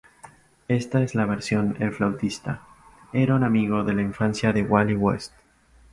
En esta versión "El Flautista" era un amigo de la infancia de Wally West.